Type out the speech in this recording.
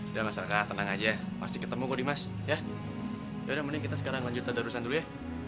udah mas raka tenang aja masih ketemu kok nadimas yaudah mending kita sekarang lanjutkan darusan dulu ya